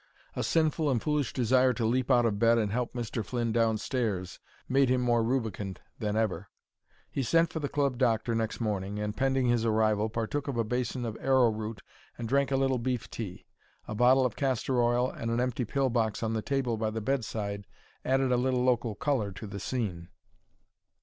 A sinful and foolish desire to leap out of bed and help Mr. Flynn downstairs made him more rubicund than ever. He sent for the club doctor next morning, and, pending his arrival, partook of a basin of arrowroot and drank a little beef tea. A bottle of castor oil and an empty pill box on the table by the bedside added a little local colour to the scene.